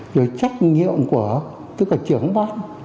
rồi trách nhiệm của tức là trưởng ban